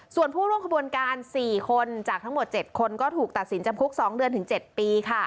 ส่วนผู้ร่วมขบวนการ๔คนจากทั้งหมด๗คนก็ถูกตัดสินจำคุก๒เดือนถึง๗ปี